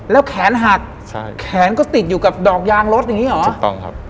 แล้วแขนหักใช่แขนก็ติดอยู่กับดอกยางรถอย่างงี้เหรอถูกต้องครับ